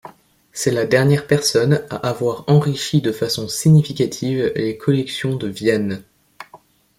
C'est la dernière personne à avoir enrichi de façon significative les collections de Vienne.